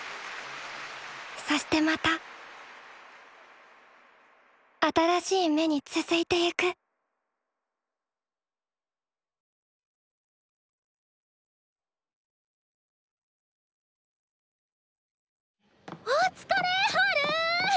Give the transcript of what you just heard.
そしてまた新しい芽に続いてゆくお疲れハル！